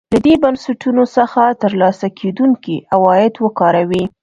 له دې بنسټونو څخه ترلاسه کېدونکي عواید وکاروي.